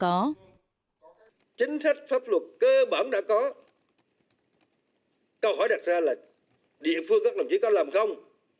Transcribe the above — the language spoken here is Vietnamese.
câu hỏi đặt ra là địa phương các đồng chí có làm không